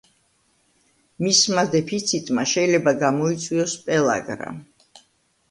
მისმა დეფიციტმა შეიძლება გამოიწვიოს პელაგრა.